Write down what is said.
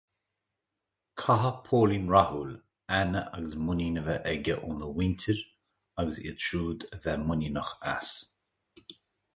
Caithfidh póilín rathúil aithne agus muinín a bheith aige óna mhuintir agus iad siúd a bheith muiníneach as.